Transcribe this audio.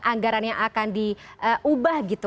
anggarannya akan diubah gitu